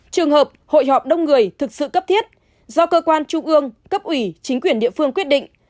trường hợp hội họp đông người thực sự cấp thiết do cơ quan trung ương cấp ủy chính quyền địa phương quyết định